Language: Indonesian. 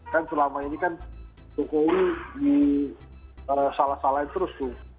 kan selama ini kan jokowi disalah salahin terus tuh